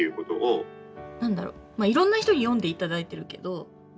なんだろまあいろんな人に読んで頂いてるけど。